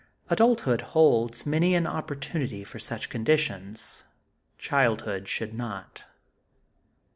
Adulthood holds many an opportunity for such conditions. Childhood should not.